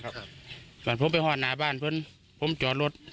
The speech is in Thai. ยืมนะครับครับผมไปห้อนหน้าบ้านเพิ่งผมจอดรถ